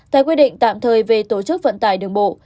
tại quy định tạm thời về tổ chức vận tải đường bộ